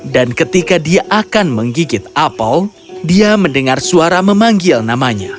dan ketika dia akan menggigit apel dia mendengar suara memanggil namanya